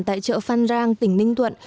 tại chợ phan rang tỉnh ninh thuật